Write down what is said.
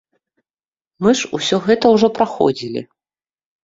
Мы ж усё гэта ўжо праходзілі!